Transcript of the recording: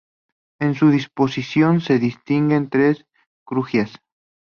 En su disposición se distinguen tres crujías.